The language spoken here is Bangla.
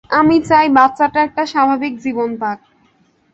আমি চাই বাচ্চাটা একটা স্বাভাবিক জীবন পাক।